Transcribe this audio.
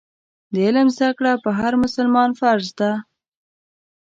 د علم زده کړه پر هر مسلمان فرض ده.